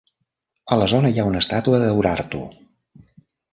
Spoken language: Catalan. A la zona hi ha una estàtua d'Urartu.